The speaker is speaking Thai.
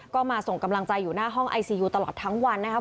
ก็มาส่งกำลังใจอยู่หน้าห้องไอซียูตลอดทั้งวันนะครับ